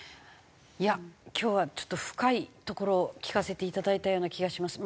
いや今日はちょっと深いところを聞かせていただいたような気がします。